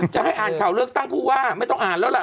จะให้อ่านข่าวเลือกตั้งผู้ว่าไม่ต้องอ่านแล้วล่ะ